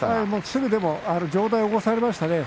すぐに上体を起こされました。